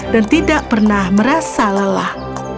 dan tidak pernah merasa lelah